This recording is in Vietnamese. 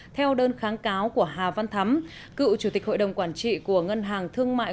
theo đơn kháng cáo của hà văn thắm cựu chủ tịch hội đồng quản trị của ngân hàng thương mại